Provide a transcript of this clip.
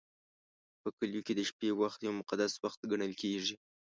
په کلیو کې د شپې وخت یو مقدس وخت ګڼل کېږي.